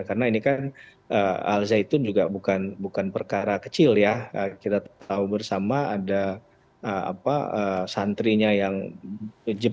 karena ini kan alzaitun juga bukan perkara kecil ya kita tahu bersama ada santrinya yang berkata